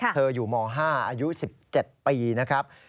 อยู่ม๕อายุ๑๗ปีนะครับ